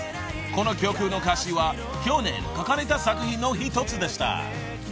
［この曲の歌詞は去年書かれた作品の一つでした］